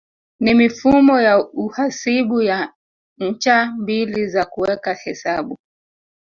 Ni mifumo ya uhasibu ya ncha mbili za kuweka hesabu